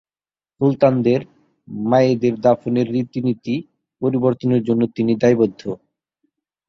সুলতানদের মায়েদের দাফনের রীতিনীতি পরিবর্তনের জন্যও তিনি দায়বদ্ধ।